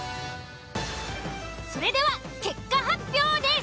それでは結果発表です。